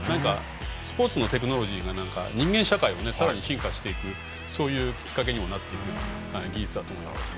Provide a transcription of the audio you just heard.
スポーツのテクノロジーが人間社会をさらに進化させていくそういうきっかけにもなる技術だと思います。